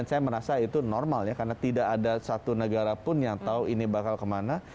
saya merasa itu normal ya karena tidak ada satu negara pun yang tahu ini bakal kemana